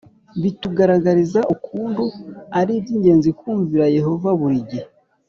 Bitugaragariza ukuntu ari iby ingenzi kumvira Yehova buri gihe